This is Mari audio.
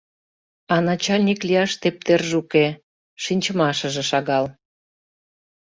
А начальник лияш тептерже уке, шинчымашыже шагал».